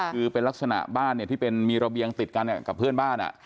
คือเป็นลักษณะบ้านมีระเบียงติดกันกับเพื่อนบ้าน